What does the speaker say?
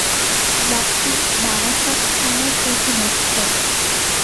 ব্লকটি বারাসত থানার অধীনস্থ।